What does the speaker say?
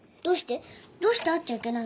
どうして会っちゃいけないの？